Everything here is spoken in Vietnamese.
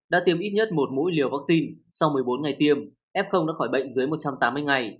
đã tiêm ít nhất một mũi liều vaccine sau một mươi bốn ngày tiêm f đã khỏi bệnh dưới một trăm tám mươi ngày